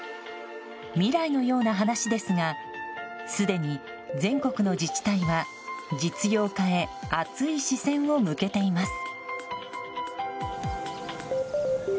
未来のような話ですがすでに、全国の自治体は実用化へ熱い視線を向けています。